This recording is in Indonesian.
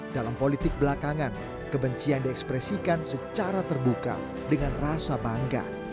dalam politik belakangan kebencian diekspresikan secara terbuka dengan rasa bangga